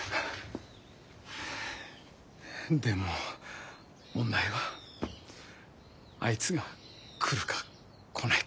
でも問題はあいつが来るか来ないか。